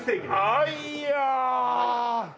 あいや！